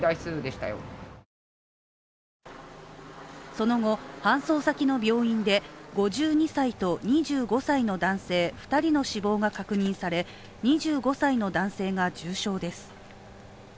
その後、搬送先の病院で５２歳と２５歳の男性２人の死亡が確認され２５歳の男性が重傷です。